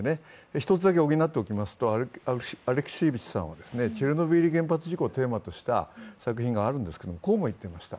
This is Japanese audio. １つだけ補っておくと、アレクシエーヴィッチさんはチョルノービリ原発事故をテーマとした作品があるんですけれども、こうも言っていました。